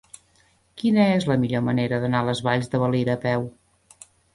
Quina és la millor manera d'anar a les Valls de Valira a peu?